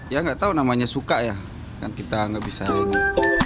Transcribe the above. ya gak tau namanya suka ya kan kita gak bisa ini